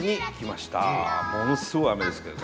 ものすごい雨ですけどね。